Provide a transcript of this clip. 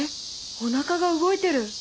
おなかが動いてる！